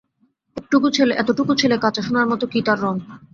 এতটুকু ছেলে, কাচা সোনার মতো কী তার রঙ।